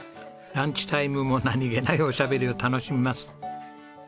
ランチタイムも何げないおしゃべりを楽しみます。